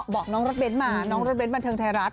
บอกน้องรถเบ้นมาน้องรถเน้นบันเทิงไทยรัฐ